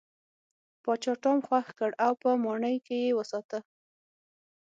پاچا ټام خوښ کړ او په ماڼۍ کې یې وساته.